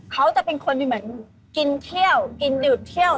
เขาจะเป็นคนเหมือนกินเที่ยวกินดื่มเที่ยว